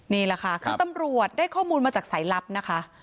นี่แหละค่ะคือตำรวจได้ข้อมูลมาจากสายลับนะคะ